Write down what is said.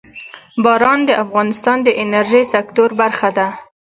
باران د افغانستان د انرژۍ سکتور برخه ده.